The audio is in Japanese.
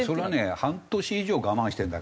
半年以上我慢してるんだから。